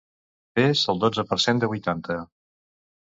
Fes el dotze per cent de vuitanta.